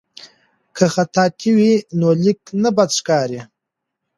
که خطاطي وي نو لیک نه بد ښکاریږي.